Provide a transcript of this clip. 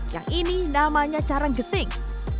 yang ini namanya carang gesing